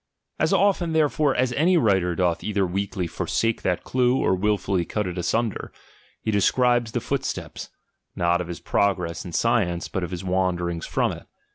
As often therefore as any writer doth either weakly forsake that clue, or wilfully cut it asunder ; h( describes the footsteps, not of his progress science, but of his wanderings from it.